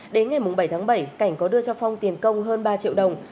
đến ngày bảy tháng bảy cảnh có đưa cho phong tiền công hơn ba triệu đồng